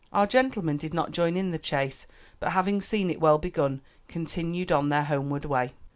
Our gentlemen did not join in the chase, but having seen it well begun, continued on their homeward way.